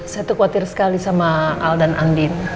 saya tuh khawatir sekali sama al dan andien